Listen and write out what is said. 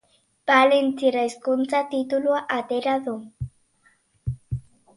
Valentziera hizkuntza titulua atera du.